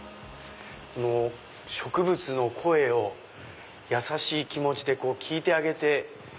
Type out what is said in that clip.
植物の声を優しい気持ちで聞いてあげて。